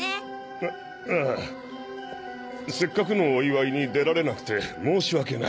ああぁ「せっかくのお祝いに出られなくて申し訳ない。